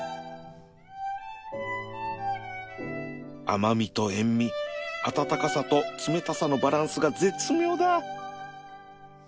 甘味と塩味温かさと冷たさのバランスが絶妙だ